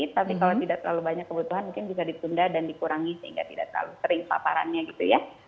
tapi kalau tidak terlalu banyak kebutuhan mungkin bisa ditunda dan dikurangi sehingga tidak terlalu sering paparannya gitu ya